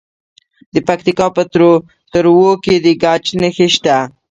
د پکتیکا په تروو کې د ګچ نښې شته.